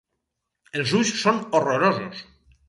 Els ulls són horrorosos.